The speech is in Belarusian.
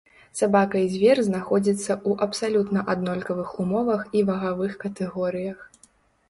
Сабака і звер знаходзіцца ў абсалютна аднолькавых умовах і вагавых катэгорыях.